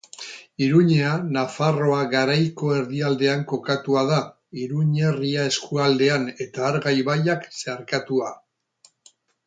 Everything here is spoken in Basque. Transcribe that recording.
Iruñea Nafarroa Garaiko erdialdean kokatua da, Iruñerria eskualdean, eta Arga ibaiak zeharkatua